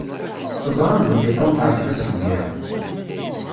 Teẓram belli Tom teεǧeb-as lbira.